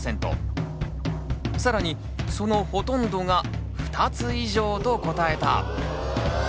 更にそのほとんどが「２つ以上」と答えた。